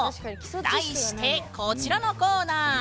題して、こちらのコーナー。